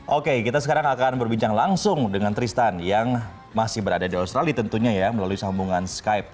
oke kita sekarang akan berbincang langsung dengan tristan yang masih berada di australia tentunya ya melalui sambungan skype